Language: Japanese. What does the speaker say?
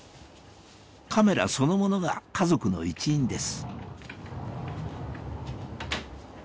カメラそのものが家族の一員です